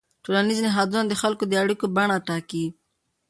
ټولنیز نهادونه د خلکو د اړیکو بڼه ټاکي.